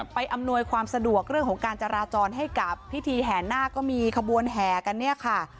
อำนวยความสะดวกเรื่องของการจราจรให้กับพิธีแห่นาคก็มีขบวนแห่กันเนี่ยค่ะ